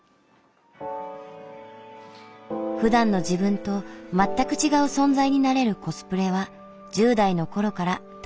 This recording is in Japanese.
ふだんの自分と全く違う存在になれるコスプレは１０代の頃から大切な世界だった。